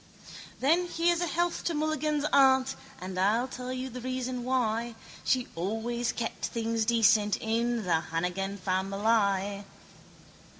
Then here's a health to Mulligan's aunt And I'll tell you the reason why. She always kept things decent in The Hannigan famileye.